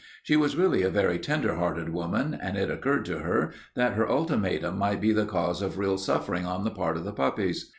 She was really a very tender hearted woman, and it occurred to her that her ultimatum might be the cause of real suffering on the part of the puppies.